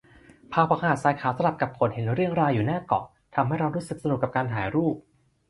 ภาพของหาดทรายขาวสลับกับโขดหินเรียงรายอยู่หน้าเกาะ ทำให้เรารู้สึกสนุกกับการถ่ายรูป